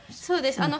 そうです。